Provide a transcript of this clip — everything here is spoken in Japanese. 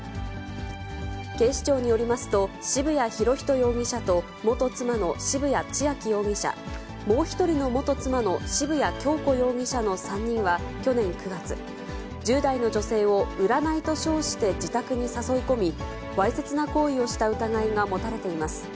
警視庁によりますと、渋谷博仁容疑者と元妻の渋谷千秋容疑者、もう１人の元妻の渋谷恭子容疑者の３人は去年９月、１０代の女性を占いと称して自宅に誘い込み、わいせつな行為をした疑いが持たれています。